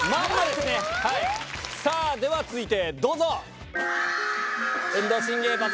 では続いてどうぞ！